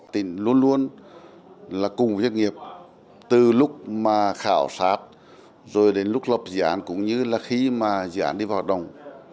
tỉnh luôn luôn là cùng với doanh nghiệp từ lúc mà khảo sát rồi đến lúc lập dự án cũng như là khi mà dự án đi vào hoạt động